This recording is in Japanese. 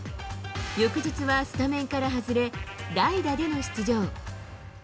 翌日はスタメンから外れ、代打での出場。